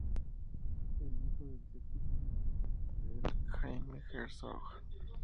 Es hijo del sexto presidente de Israel, Jaim Herzog.